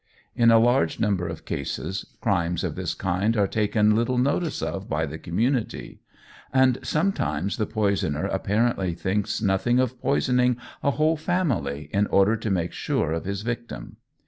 In a large number of cases, crimes of this kind are taken little notice of by the community; and sometimes the poisoner apparently thinks nothing of poisoning a whole family in order to make sure of his victim.